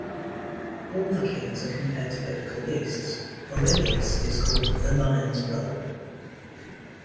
All the kings are compared to Biblical beasts; Aurelius is called the "lion's whelp".